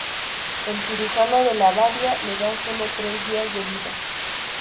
El cirujano de la abadía le da sólo tres días de vida.